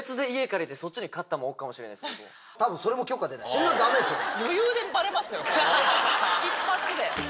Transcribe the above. そんなんダメですよね？